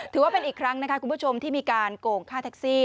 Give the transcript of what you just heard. ถือว่าเป็นอีกครั้งนะคะคุณผู้ชมที่มีการโกงค่าแท็กซี่